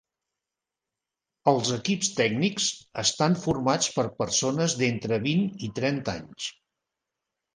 Els equips tècnics estan formats per persones d'entre vint i trenta anys.